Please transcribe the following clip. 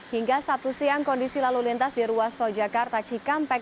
hingga sabtu siang kondisi lalu lintas di ruas tol jakarta cikampek